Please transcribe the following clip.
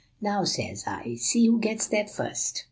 Now, says I, see who gets there first.